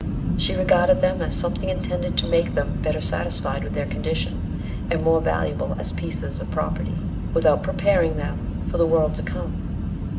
She regarded them as something intended to make them better satisfied with their condition, and more valuable as pieces of property, without preparing them for the world to come.